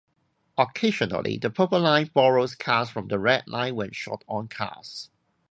Occasionally, the Purple Line borrows cars from the Red Line when short on cars.